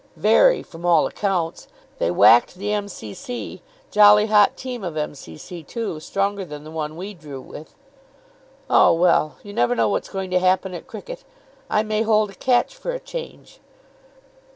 "Very, from all accounts. They whacked the M.C.C. Jolly hot team of M.C.C. too. Stronger than the one we drew with." "Oh, well, you never know what's going to happen at cricket. I may hold a catch for a change."